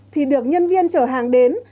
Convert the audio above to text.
thì được nhân viên chở hàng đến